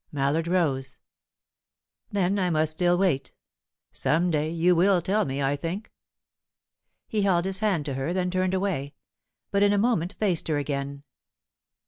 Mallard rose. "Then I must still wait. Some day you will tell me, I think." He held his hand to her, then turned away; but in a moment faced her again.